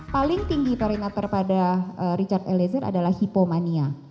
paling tinggi perintah terhadap richard eliezer adalah hipomania